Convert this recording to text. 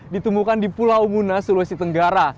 ditemukan di pulau muna sulawesi tenggara